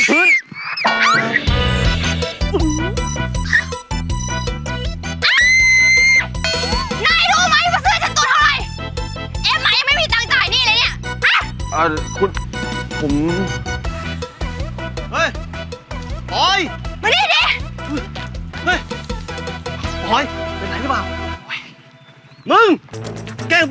เฮ้ยคุณพื้น